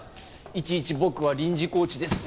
いちいち僕は臨時コーチです